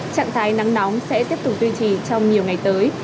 trạng thái nắng nóng sẽ tiếp tục duy trì trong nhiều ngày tới